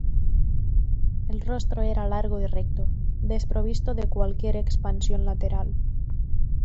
El rostro era largo y recto, desprovisto de cualquier expansión lateral.